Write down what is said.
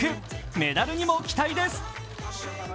メダルにも期待です。